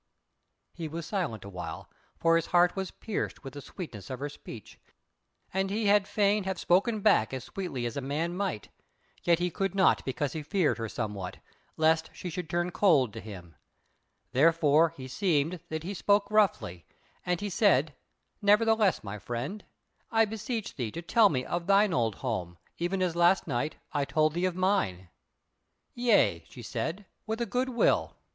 He was silent awhile, for his heart was pierced with the sweetness of her speech, and he had fain have spoken back as sweetly as a man might; yet he could not because he feared her somewhat, lest she should turn cold to him; therefore himseemed that he spoke roughly, as he said: "Nevertheless, my friend, I beseech thee to tell me of thine old home, even as last night I told thee of mine." "Yea," she said, "with a good will."